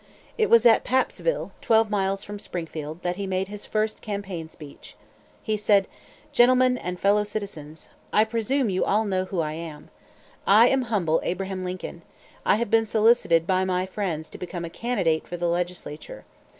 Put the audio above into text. It was at Pappsville, twelve miles from Springfield, that he made his first campaign speech. He said: "Gentlemen and fellow citizens "I presume you all know who I am. "I am humble Abraham Lincoln. I have been solicited by my friends to become a candidate for the legislature.